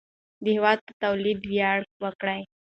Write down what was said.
د هېواد په تولیداتو ویاړ وکړئ.